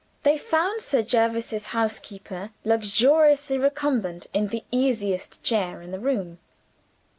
They found Sir Jervis's housekeeper luxuriously recumbent in the easiest chair in the room.